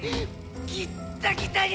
ギッタギタに。